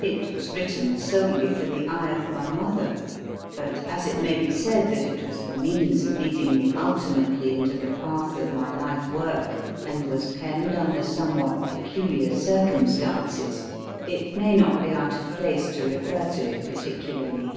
It was written solely for the eye of my mother, but, as it may be said that it was the means of leading me ulti mately into the path of my life work, and was penned under somewhat peculiar circumstances, it may not be out of place to refer to it particularly here.